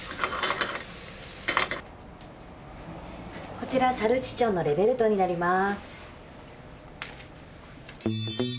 こちらサルチチョンのレヴェルトになります。